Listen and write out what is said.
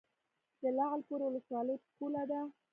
د لعل پورې ولسوالۍ پوله ده